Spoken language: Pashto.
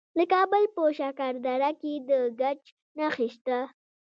د کابل په شکردره کې د ګچ نښې شته.